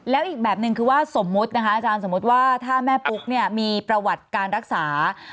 แล้วอีกแบบหนึ่งคือว่าสมมุตินะคะอาจารย์สมมุติว่าถ้าแม่ปุ๊กเนี่ยมีประวัติการรักษา